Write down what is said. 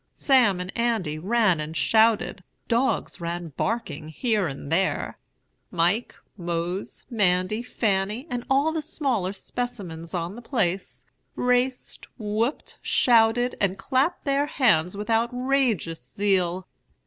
Sam and Andy ran and shouted; dogs ran barking here and there; Mike, Mose, Mandy, Fanny, and all the smaller specimens on the place, raced, whooped, shouted, and clapped their hands with outrageous zeal.